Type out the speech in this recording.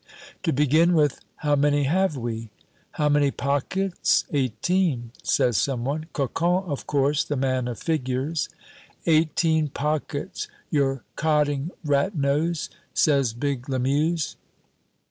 "To begin with, how many have we?" "How many pockets? Eighteen," says some one Cocon, of course, the man of figures. "Eighteen pockets! You're codding, rat nose," says big Lamuse.